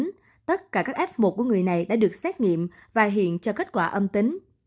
những dấu hiệu ban đầu cho biết là người này đã được xét nghiệm và hiện cho kết quả âm tính